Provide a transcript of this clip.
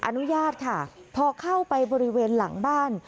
อนุญาตค่ะพอเข้าไปบริเวณหลังบ้าน